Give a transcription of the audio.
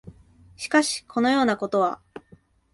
しかし、このようなことは、